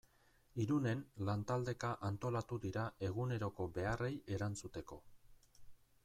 Irunen lantaldeka antolatu dira eguneroko beharrei erantzuteko.